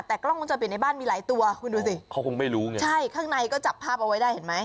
แต่กล้องวงจรปิดในบ้านมีหลายตัวคุณดูสิเขาคงไม่รู้ไงใช่ข้างในก็จับภาพเอาไว้ได้เห็นไหม